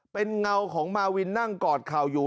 เป็นเงาของมาวินนั่งกอดเข่าอยู่